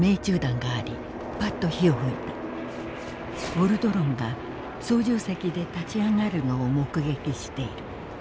「ウォルドロンが操縦席で立ちあがるのを目撃している。